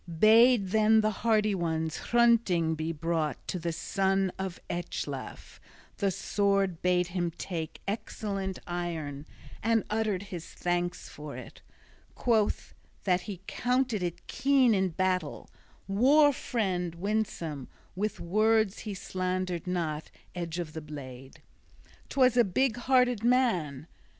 Bade then the hardy one Hrunting be brought to the son of Ecglaf, the sword bade him take, excellent iron, and uttered his thanks for it, quoth that he counted it keen in battle, "war friend" winsome: with words he slandered not edge of the blade: 'twas a big hearted man!